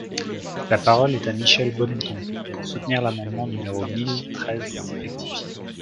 La parole est à Madame Michèle Bonneton, pour soutenir l’amendement numéro mille treize rectifié.